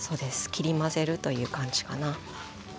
切り混ぜるという感じかな。